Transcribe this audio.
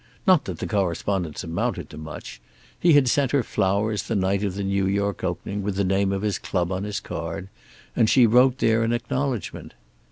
Not that the correspondence amounted to much. He had sent her flowers the night of the New York opening, with the name of his club on his card, and she wrote there in acknowledgment.